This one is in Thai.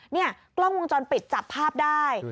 นี่กล้องวงจรปิดจับภาพได้